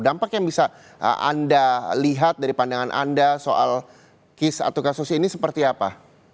dampak yang bisa anda lihat dari pandangan anda soal kis atau kasus ini seperti apa